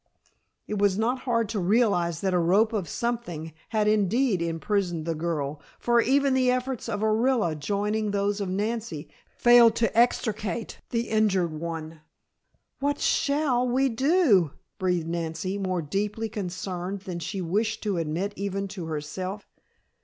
It was not hard to realize that a rope of something had indeed imprisoned the girl, for even the efforts of Orilla joining those of Nancy, failed to extricate the injured one. "What shall we do!" breathed Nancy, more deeply concerned than she wished to admit even to herself.